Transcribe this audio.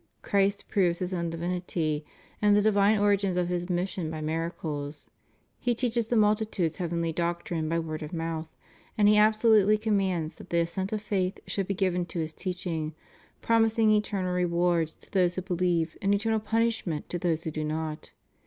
Christ proves His own divinity and the divine origin of His mission by miracles ; He teaches the multitudes heavenly doctrine by word of mouth; and He absolutely commands that the assent of faith should be given to His teaching, promising eternal rewards to those who believe and eternal punish ment to those who do not.